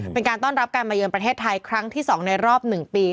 เป็นการต้อนรับกันมาเยินประเทศไทยครั้งที่สองในรอบหนึ่งปี